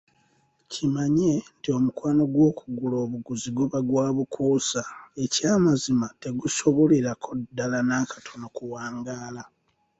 Kimanye nti omukwano ogw’okugula obuguzi guba gwa bukuusa. Ekyamazima tegusobolerako ddala n’akatono kuwangaala.